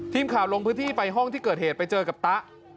ทีมข่าวลงพื้นที่ไปห้องที่เกิดเหตุไปเจอกับตะ